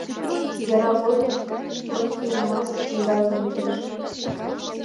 Яра годым Горькийын «Мать» книгажым лудеш.